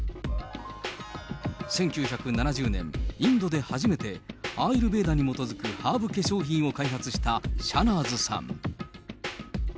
１９７０年、インドで初めてアーユルベーダに基づくハーブ化粧品を開発したシャナーズさん。